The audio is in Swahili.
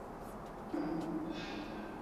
na kuvutia wawekezaji kwenye sekta hiyo